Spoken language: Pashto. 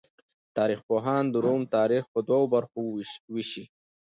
تاریخ پوهان د روم تاریخ په دوو برخو ویشي.